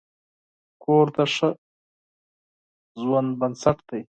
کور د ښه ژوند بنسټ دی.